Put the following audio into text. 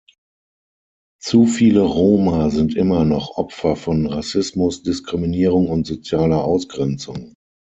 Zu viele Roma sind immer noch Opfer von Rassismus, Diskriminierung und sozialer Ausgrenzung.